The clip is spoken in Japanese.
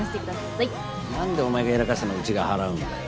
なんでお前がやらかしたのをうちが払うんだよ。